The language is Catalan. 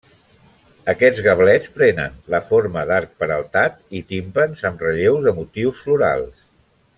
Aquests gablets prenen la forma d'arc peraltat i timpans amb relleus de motius florals.